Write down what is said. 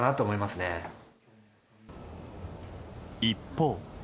一方。